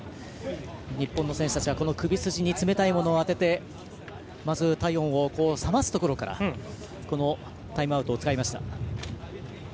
日本の選手たちは首筋に冷たいものを当てて、まず体温を冷ますところからタイムアウトを使いました。